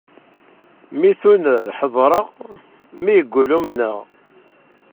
Mi tuner ḥedreɣ, mi yeggul umneɣ.